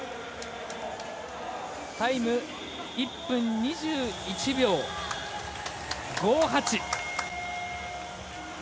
タイム、１分２１秒５８。